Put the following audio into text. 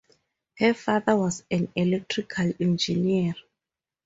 Her father was an electrical Engineer.